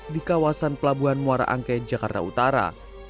di kawasan pelabuhan muara angke jakarta utara